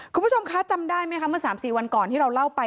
คุณผู้ชมคะจำได้ไหมคะเมื่อ๓๔วันก่อนที่เราเล่าไป